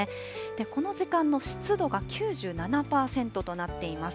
この時間の湿度が９７％となっています。